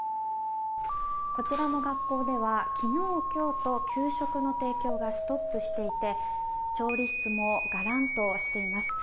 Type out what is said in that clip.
こちらの学校では昨日、今日と給食の提供がストップしていて調理室もガランとしています。